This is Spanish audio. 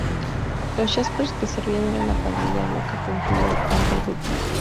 Los Jaspers que servían eran la pandilla loca que incluía al Verdugo.